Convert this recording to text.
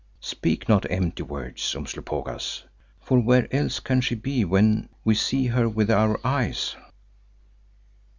"Speak not empty words, Umslopogaas, for where else can she be when we see her with our eyes?"